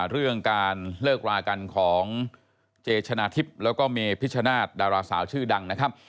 เรื่องการเลิกรากันของเจชนะทิพย์แล้วก็เมพิชชนาศดาราสาวชื่อดังนะครับ